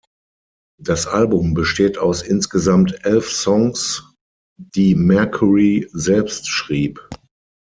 Das Album besteht aus insgesamt elf Songs, die Mercury selbst schrieb.